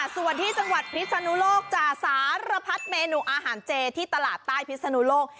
ส่วนที่จังหวัดพิศนุโลกจ่าสารพัดเมนูอาหารเจที่ตลาดใต้พิศนุโลก